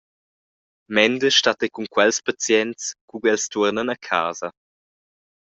Mender stat ei cun quels pazients, cu els tuornan a casa.